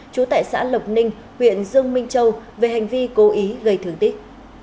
trú tại xã lộc ninh huyện dương minh châu về hành vi cố ý gây thương tích